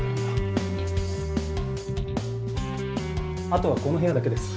あとはこの部屋だけです。